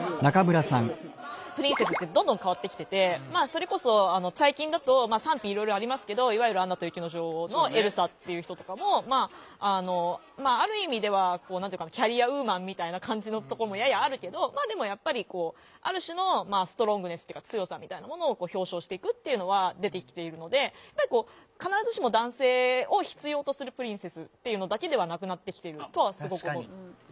プリンセスってどんどん変わってきててまあそれこそ最近だと賛否いろいろありますけどいわゆる「アナと雪の女王」のエルサっていう人とかもまあある意味ではキャリアウーマンみたいな感じのところもややあるけどまあでもやっぱりある種のストロングネスっていうか強さみたいなものを表象していくっていうのは出てきているので必ずしも男性を必要とするプリンセスっていうのだけではなくなってきてるとはすごく思う。